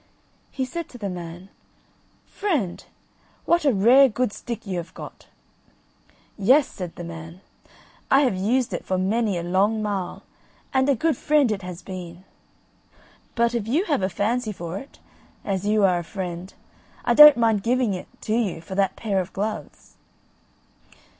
He said to the man: "Friend! what a rare good stick you have got." "Yes," said the man; "I have used it for many a long mile, and a good friend it has been; but if you have a fancy for it, as you are a friend, I don't mind giving it to you for that pair of gloves."